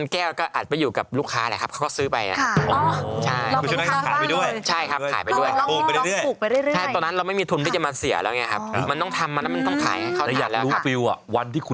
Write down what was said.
แก้วก็อาจไปอยู่กับลูกค้าแหละครับเขาก็ซื้อไป